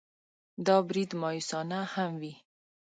دا برید مأیوسانه هم وي.